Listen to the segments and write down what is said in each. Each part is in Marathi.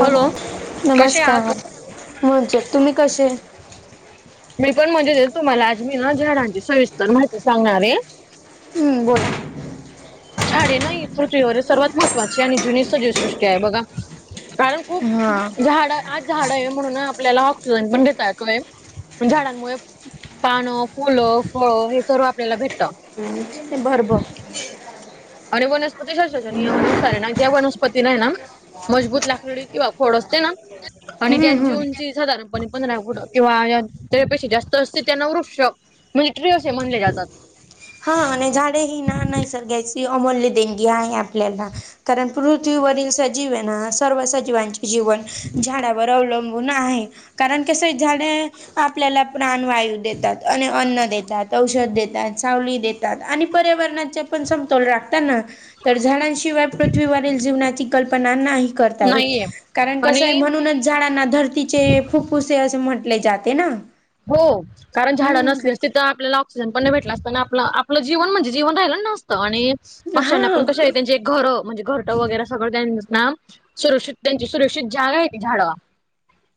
हॅलो कसे आहात? नमस्कार! मजेत. तुम्ही कसे? मी पण मजेत. तुम्हाला आज मी ना झाडांची सविस्तर माहिती सांगणार आहे. हं, बोला. झाडे ना ही पृथ्वीवरिल सर्वात महत्त्वाची आणि जुनी सजीवसृष्टी आहे बघा. कारण खूप हा झाड आज झाड आहे म्हणून आपल्याला ऑक्सिजन पण घेता येतोय. झाडांमुळे पानं, फुलं, फळ हे सर्व आपल्याला भेटत. [unintelligible] आणि वनस्पती शास्त्राच्या नियमानुसार आहे ना ज्या वनस्पतीना ये ना मजबूत लाकडी किंवा खोड असते ना आणि हम्म ज्यांची हम्म उंची साधारणपणे पंधरा फूट किंवा त्या पेक्षा जास्त असते त्याना वृक्ष मिल्ट्री असे म्हनले जातात. हा आणि झाडे ही ना नैसर्ग्याची अमूल्य देणगी आहे आपल्याला. कारण पृथ्वीवरील सजीवयेना सर्व सजीवांचे जीवन झाडावर अवलंबून आहे. कारण कसंय झाडे आपल्याला प्राणवायू देतात आणि अन्न देतात, औषध देतात, सावली देतात आणि पर्यावरणाचे पण समतोल राखता ना. तर झाडांशी इवाय पृथ्वीवरील जीवनाची कल्पना नाही करता येत. नाहीये कारण कसय आणि म्हणूनच झाडांना धरती चे फुफ्फुसे असे म्हंटले जाते ना. हो. कारण झाडं हम्म नसलेच तिथं आपल्याला ऑक्सिजन पण नही भेटला असता आणि आपलं- आपलं जीवन म्हणजे जीवन राहिलं नसतं. आणि पक्षांना पण हा कसय त्यांचे घरं म्हणजे घरटं वगैरे सगळं त्यांच ना सुरक्षित त्यांची सुरक्षित जागा आहे ती झाड.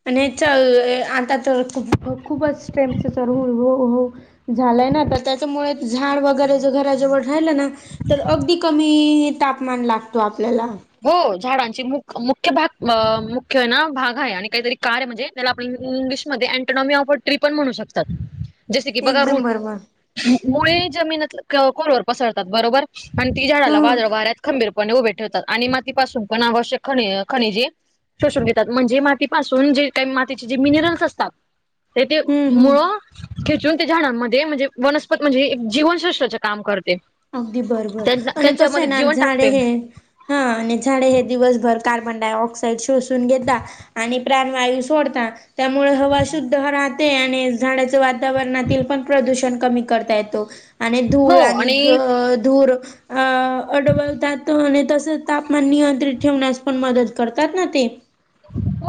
आणि येच ए आता तर खूप खूपच टेम्परेचर तर [unintelligible] झालंय ना आता. त्याच्यामुळे झाड वगैरे ज घराजवळ रायला ना तर अगदी कमी तापमान लागतो आपल्याला. हो झाडांचे मुख मुख्य भाग अं मुख्य ना भाग आहे आणि काहीतरी कार आहे. म्हणजे त्याला आपण इंग्लिशमध्ये 'अँटोनॉमी ऑफ अ ट्री' पण म्हणू शकतात. जसे की बघा रूट. एकदम बरोबर म - मुळे जमीनीत क खोलवर पसरतात बरोबर. अन ती झाडाला हम्म वादळ वाऱ्यात खंबीरपणे उभे ठेवतात. आणि मातीपासून पण आवश्यक खनि खनिजे शोषून घेतात. म्हणजे मातीपासून जे काही मातीचे जे मिनरल्स असतात ते ते हम्म हम्म मुळं खेचून त्या झाडांमध्ये म्हणजे वनस्पत म्हणजे जीवनसृष्ठच काम करते. अगदी बरोबर! आणि कसंये त्यांच्यामध्ये ना, जीवन झाडे टाकते हे हा आणि झाडे हे दिवसभर कार्बन डाय ऑक्साइड शोषून घेता आणि प्राणवायू सोडता. त्यामुळे हवा शुद्ध राहते आणि झाडा त वातावरणातील पण प्रदूषण कमी करता येतो आणि धूळ आणि अ धुर अ अडवतात आणि तसच तापमान नियंत्रित ठेवण्यास पण मदत करतात ना ते.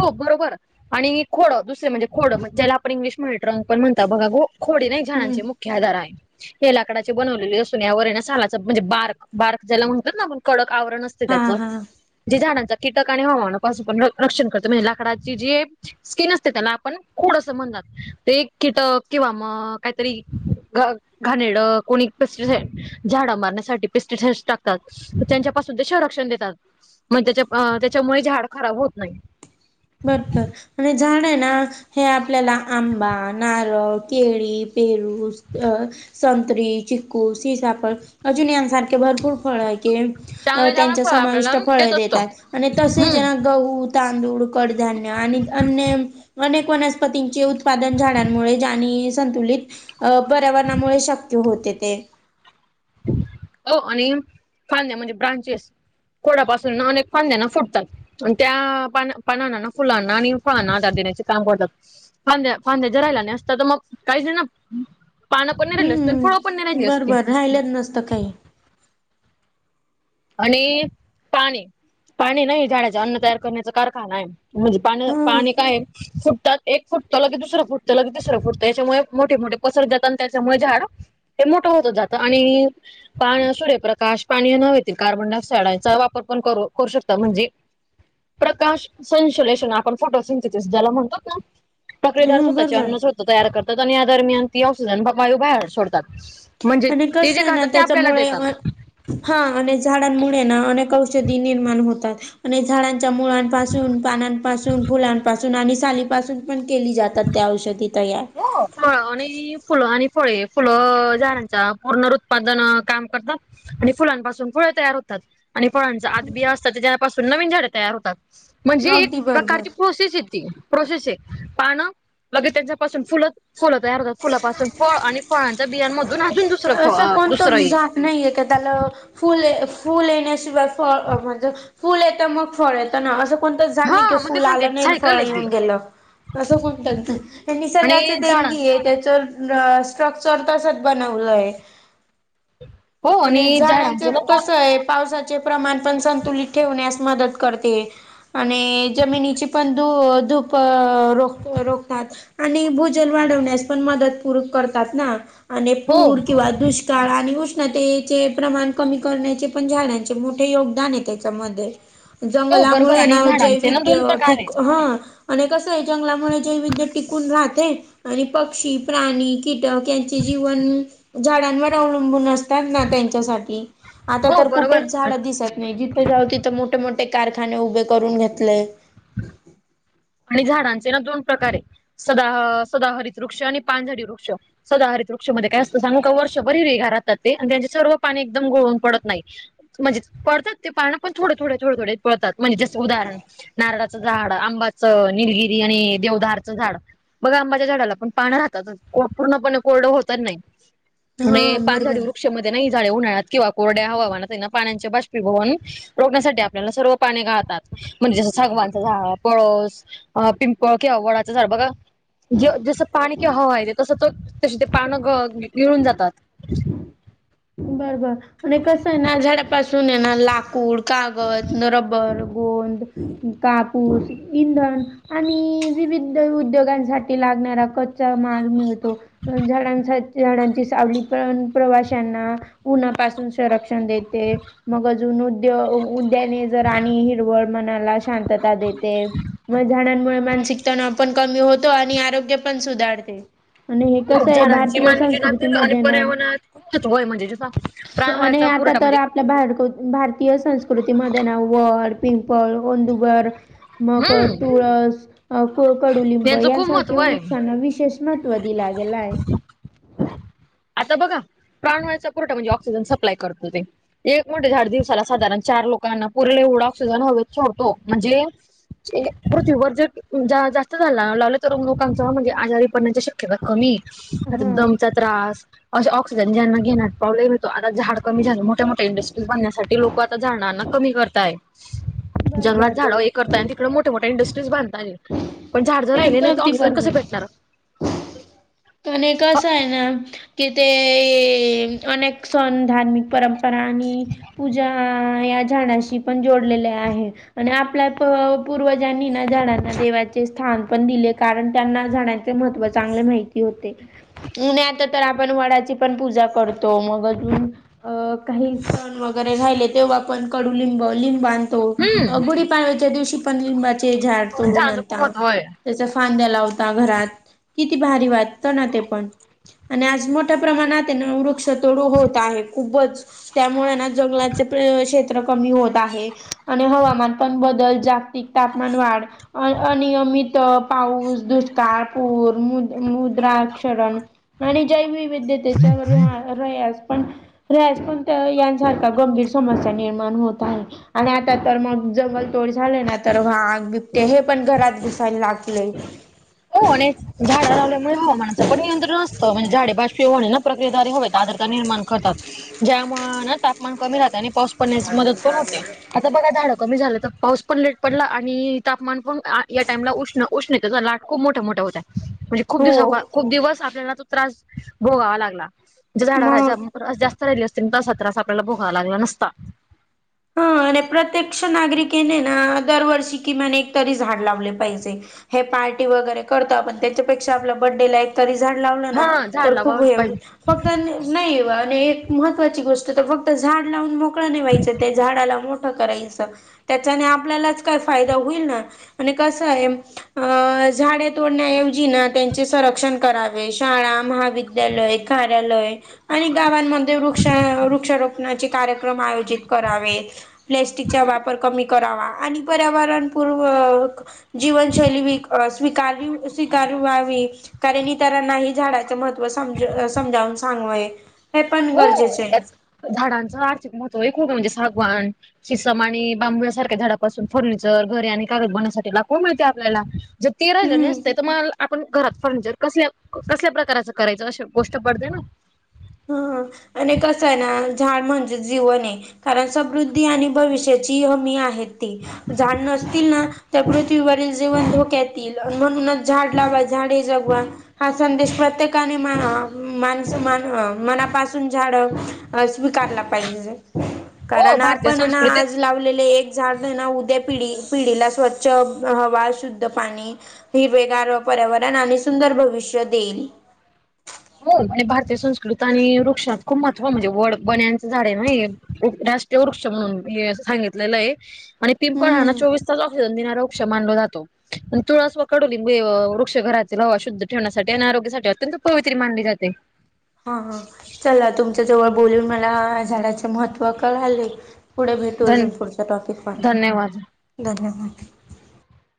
हो बरोबर. आणि खोडं दुसरे म्हणजे खोडं ज्याला आपण इंग्लिश मध्ये ट्रंक पण म्हणत बघा खोडे नाही हम्म झाडांचे मु ख्य आधार आहे. हे लाकडाची बनवलेली असून या वर सालाच म्हणजे बार बार ज्याला म्हणतात ना आपण कडक आवरण असतं. हा त्याच हा जे झाडांचा कीटक आणि हवानापसून पण रक्षण करत म्हणजे लाकडाची जे स्किन असते त्याला आपण खोड असं म्हणतात. ते कीटक किंवा मग काहीतरी घाणेरड कोणी पेस्टिसाईड झाडा मारण्यासाठी पेस्टिसाईडस टाकतात. त्यांच्या पासून ते संरक्षण देतात म्हणजे त्याच्या त्याच्यामुळे झाड खराब होत नाही. बरं बरं आणि झाडे आहे ना? हे आपल्याला आंबा नारळ केळी पेरू अ संतरी, चिक्कू, सीताफळ, अजुन यांसाराखे भरपूर फळ आहे की अ चांगलं चांगलं त्यांच्या फळ आपल्याला समाविष्ट फळे देत असतो देतात आणि तसे हम्म ज्यांना गहू तांदूळ कडधान्य आणि अन्य अनेक वनस्पतींचे उत्पादन झाडांमुळे आणि आणि संतुलित अ पर्यावरणामुळे शक्य होते ते हो आणि फांद्या म्हणजे ब्रांचेस खोडापासून अनेक फांद्याना फुटतात. त्या पाना पानांना फुलांना आणि फळांना आधार देण्याचे काम करतात. फांद्या फांद्या जरायला नाही असत तर मग काहीच ना पान पण नाही राहिली असती अन फळं पण नाही राहिली असती. राहिलंत नसतं काही. आणि पाणी पाणी नाही झाडाच अन्न तयार करण्याचा कारखाना आहे. म्हणजे पान हा पाणी काय फुटतात. एक फुटतल लगी दुसरं फुटत लगी तिसरं फुटत याच्यामुळे मोठे मोठे पसरत जात आणि त्याच्यामुळे झाड हे मोठं होत जात आणि पान सूर्य प्रकाश पाणी नव्हे ते कार्बनडाय ऑक्साइडचा वापर पण कर करू शकतात म्हणजे प्रकाश संसोलेशन आपण फोटो सिंथेसिस ज्याला म्हणतो ना प्रक्रिदार हा स्वतःचे बरोबर अन्न स्वत तयार करतात आणि या दरम्यान ती ऑक्सिजन वायू बाहेर सोडतात. म्हणजे आणि ते कसं जे आहे ना खतात ते आपल्याला त्याच्यामुळे देतात. अ- हा आणि झाडांमुळे ना अनेक औषधी निर्माण होतात आणि झाडां मुळांपासून पानांपासून फुलांपासून आणि सालीपासून केली जातात त्या औषधी तयार हो फळ आणि फुलं आणि फळे फुलं झाडांचा पुर्नरत्पादन काम करतात. आणि फुलांपासून फुळे तयार होतात आणि फळांच आतबिया असतात ते तेच्यापासून नवीन झाडे तयार होतात. म्हणजे एक अगदी प्रकारची बरोबर प्रोसेस य त प्रोसेसये पान लगे त्यांचा पासून फुल फुल तयार होतात फुला पासून फळ आणि फळांच्या बियांमध्ये पण अजून दुसरं दुसरं नाही एखाद्याला फुल फुल येण्याशिवाय फ म्हणजे फूल येत मग फळ येत ना असं कोणतच जाण नाही कि हा मग ते फुल सांगते आलं नाही सायकल फळ आहे ती येऊन गेलं. असं कोण कर नाही आणि निसर्गाचे देण झाड गी आहे त्याच स्ट्रक्चर तसच बनवलंय. हो मआणि आणि झाडांच झाडांचे ना दोन कसं आहे पावसा प्रमाण संतुलित ठेवण्यास मदत करते आणि जमिनीची पण धू धूप रोख रोखतात. आणि भूजन वाढवण्यास पण मदत पूर करतात ना आणि हो पूर किंवा दुष्काळ झाळा आणि उष्णतेचे प्रमाण कमी करण्याचे पण झाडांचे मोठे योगदान आहे त्याच्यामध्ये हो बरोबर जंगलामुळे आणि ना झाडांचे ना दोन जैविध्य्य प्रकार ठिक आहेत. ह आणि कसं आहे जंगलामुळे जैविध्य टिकून राहते. आणि पक्षी, प्राणी, कीटक यांचे जीवन झाडांवर अवलंबून असतात ना त्यांच्यासाठी, आता हो तर कुठेच बरोबर झाड दिसत नाही जिथे जाऊ तिथं मोठे मोठे कारखाने उभे करून घेतलेय. [inaudible] आणि झाडांचे ना दोन प्रकार आहे, सदाह- सदाहरित वृक्ष आणि पानझडी वृक्ष. सदाहरित वृक्ष मधे काय असतं सांगू का वर्षभर हिरवीगार राहतात ते आणि त्यांचे सर्व पाने एकदम गळून पडत नाही. म्हणजे पडतात ते पान पण थोडे थोडे पडतात म्हणजे जस उदाहरण नारळाचं झाड, आंब्याच, निलगिरी आणि देवधारच झाड. बघा आंबाच्या झाडाला पण पाणी राहतातच पूर्णपणे कोरडं होतच नाही. मे हा पाणझडी बरोबर वृक्षामध्ये ना ही झाडे उन्हाळ्यात किंवा कोरड्या हवामानात आहे ना पाण्यांचे बाष्पीभवन रोखण्यासाठी आपल्याला सर्व पाने गाळ तात, म्हणजे जसं सागवांचं झाड पळस, पिंपळ किंवा वडाचं झाड बघा. ज - जस पाणी किंवा हवा येते तस तो तशी पानं ग - गळून जातात. बरोबर आणि कसं आहे ना झाडपासून ये ना लाकूड कागद न रब्बर, गोंद, कापूस, इंधन आणि विविध उद्योगांसाठी लागणारा कच्चा माल मिळतो. झाडानसाठ, झाडांची सावली पण प्रवाशांना उन्हापासून संरक्षण देते. मग अजून उद्य - उद्याने जर आणि हिरवळ मनाला शांतता दे ते, म झाडांमुळे मानसिक तणाव पण कमी होतो आणि आरोग्य पण सुधारते. आणि हे कसं आहे झाडांची भारतीय मानवी जीवनातील आणि संस्कृतीमध्ये ना [unintelligible] म्हणजे [unintelligible] आणि प्राणवायूचा आता पुरवठा तर म्हणजे आप आपल्या भारकुत भारतीय संस्कृतीमध्ये ना वड, पिंपळ, औदुंबर मग हम्म तुळस, अ क- कडुलिंब यांचं खूप महत्त्व यांसारख्या आहे. वृक्षांना विशेष महत्व दिला गेलाय. आता बघा, प्राणवायुचा पुरवठा म्हणजे ऑक्सिजन सप्लाय करतो ते. एक मोठे झाड दिवसाला साधारण चार लोकांना पुरेल एवढा ऑक्सिजन हवेत सोडतो म्हणजे चे पृथ्वीवर जर जा -जास्त झाडे लावयला लावली तर लोकांच म्हणजे आजारी पडण्याच्या श केता कमी, हां. दमचा त्रास. असे ऑक्सिजन ज्यांना घेण्यात प्रॉबलेम येतो आता झाड कमी झालं मोठ्या मोठ्या इंडस्ट्रीज बनण्यासाठी लोकं आता झाडांना कमी करताय, बरं जंगलात झाड हे करताय बरं. आणि तिकडे मोठ मोठ मोठ्या इंडस्ट्रीज बांधताय, पण झाड जर राहिले एकदम नाही तर अगदी ऑक्सिजन कसे भेटणार. आणी कसं आहे ना, कि ते अनेक सण धार्मिक परं परा आणि पूजा या झाडांशी पण जोडलेले आहे. आणि आपल्या प- पूर्वजांनी ना झाडांना देवाचे स्थान पन दिले कारण त्यांना झाडां ते महत्व चांगले माहिती होते. मुने आता तर आपण वडाची पन पूजा करतो मग अजून अ काही सण वगैरे राहिले तेव्हा पण कडुलिंब लिंबा तो, हम्म गुढीपाडव्याच्या दिवशी पण लिंबाचे झाड तोडून झाडांचं खूप आणता. महत्व आहे त्याच फांद्या लावता घरात, किती भारी वाटत ना ते पण. आणि आज मोठ्या प्रमाणात येना वृक्ष तोड होत आहे खूपच त्यामुळे ना जंगलाचे प - क्षेत्र कमी होत आहे आणि हवामान पण बदल जागतिक तापमान वाढ अ अ अनियमित पाऊस, दुष्काळ, पूर राग शरण आणि जय वैविध्य त्याच्यावर रयास पण पण यांसारख्या गंभीर समस्या निर्माण होत आहे. आणि आता तर मग जंगल तोड झाली ना तर वाघ बिबटे हे पण घरात घुसायला लागलेत. हो आणि झाडं लावल्यामुळे हवामानचं पण नियंत्रण असतं म्हणजे झाडे बाष्पीभवन होणे ना प्रक्रियाद्वारे हो आद्रता निर्माण करतात ज्यामुळे तापमान कमी राहतं आणि पाऊस पडण्यास मदत पण होते. आता बघा झाडं कमी झालं तर पाऊस पण लेट पडला आणि तापमान पण या टाइमला उष्ण उष्णतेच्या लाट खूप मोठ्या मोठ्या होत्या म्हणजे खूप दिवसा आपण हो खूप दिवस आपल्याला त्रास भोगावा लागला म्हणजे झाडावर मग राहायचा. जास्त राहिली असती तर हा त्रास आपल्याला भोगायला लागला नसता. हा आणि प्रत्यक्ष नागरिकेने ना दरवर्षी किमान एक तरी झाड लावले पाहिजे. हे पार्टी वगैरे करतो आपण त्याच्यापेक्षा आपल्या बर्थडे ला एक तरी झाड लावलं ना हा झाड तर खूप लावावं हे पाहिजे हुईल फक्त नाही आणि एक महत्त्वाची गोष्ट तर फक्त झाड लावून मोकळं नाही व्हायचं ते झाडाला मोठं करायचं. त्याच्याने आपल्यालाच काय फायदा हुईल ना आणि कसं हे. अ झाडे तोडण्याऐवजी ना त्यांचे संरक्षण करावे. शाळा महाविद्यालय कार्यालय आणि गावांमध्ये वृक्ष वृक्षारोप णाचे कार्यक्रम आयोजित करावेत. प्लॅस्टिकचा वापर कमी करावा आणि पर्यावरण पूर्व जीवनशैली स्विक स्वीकार स्वीकारवावी. कारण ईतरांनाही झाडाचं महत्त्व समजु समजावून सांगवय झाडांचं आर्थिक महत्व आहे खूप म्हणजे सागवान सिसम आणि बांबूळसारख्या झाडापासून फर्निचर घरे आणि कागद बनण्यासाठी लाकुड मिळते आपल्याला जर ते राहिलं हम्म नसतयं तर मला आपण घरात फर्निचर कसल्या कसल्या प्रकारचं करायचं अशी गोष्ट पडते ना. हा आणि कसं आहे ना झाड म्हणजे जीवन हे. कारण समृद्धी आणि भविष्याची हमी आहे ती झाड न सतील ना त्या पृथ्वीवरील जिवन धोक्यात येईल म्हणूनच झाड लावा झाडे जगवा हा संदेश प्रत्येकाने मा माणस मान मनापासून झाडं स्वीकारला पाहिजे. हो कारण भारतीय आपण हे ना संस्कृतीच आज लावलेली एक झाड उद्या पिढी पिढीला स्वच्छ हवा शुद्ध पाणी हिरवेगार पर्यावरण आणि सुंदर भविष्य देईल. होय भारतीय संस्कृत आणि वृक्षात खूप महत्त्व म्हणजे वड बन्यांचं झाड आहे. [unintelligible] ते वृक्ष म्हणून हे सांगितलेलं आहे. आणि पिंपळ हा ना हम्म चोवीस तास ऑक्सिजन देणारा वृक्ष मानला जातो. तुळस व कडुलिंब वृक्ष घरातील हवा शुद्ध ठेवण्यासाठी आणि आरोग्यासाठी अत्यंत प्रवा मंदिरात हे हा हा चला तुमच्या जवळ बोलून मला झाडाचं महत्त्व कळालंय. पुढे भेटू धन अजून पुढचा टॉपिक पहा धन्यवाद. धन्यवाद